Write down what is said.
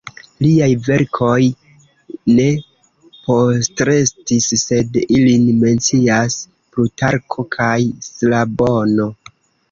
Liaj verkoj ne postrestis, sed ilin mencias Plutarko kaj Strabono.